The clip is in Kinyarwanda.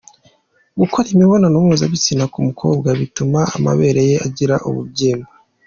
Gukora imibonano mpuzabitsina ku mukobwa bituma amabere ye agira umubyimba.